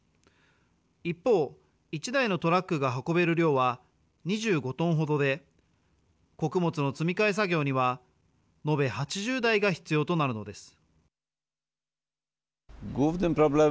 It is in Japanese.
一方、１台のトラックが運べる量は２５トンほどで穀物の積み替え作業には延べ８０台が必要となるのです。